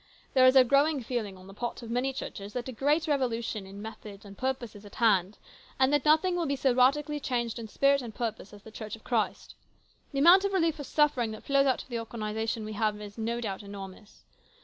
There is a growing feeling on the part of many churches that a great revolution in methods and purpose is at hand, and that nothing will be so radically changed in spirit and purpose as the Church of Christ. The amount of relief for suffering that flows out of the organisation we now have is no doubt enormous.